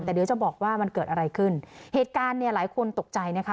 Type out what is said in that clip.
แต่เดี๋ยวจะบอกว่ามันเกิดอะไรขึ้นเหตุการณ์เนี่ยหลายคนตกใจนะคะ